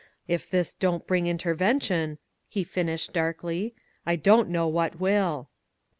If this don't bring Intervention," he finished, darkly, ^^I don't know what will!"